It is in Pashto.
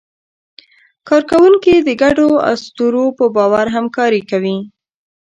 کارکوونکي د ګډو اسطورو په باور همکاري کوي.